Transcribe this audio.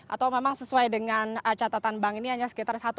atau memang sesuai dengan catatan bank ini hanya sekitar dua puluh empat jam